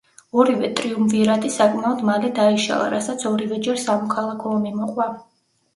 ორივე ტრიუმვირატი საკმაოდ მალე დაიშალა რასაც ორივეჯერ სამოქალაქო ომი მოყვა.